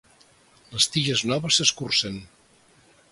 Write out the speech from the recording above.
Les tiges noves s'escurcen.